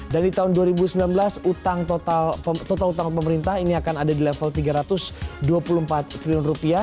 dan di tahun dua ribu sembilan belas total utang pemerintah ini akan ada di level rp tiga ratus dua puluh empat triliun